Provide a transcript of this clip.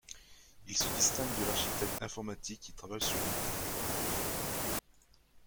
Il se distingue de l'architecte informatique qui travaille sur le matériel.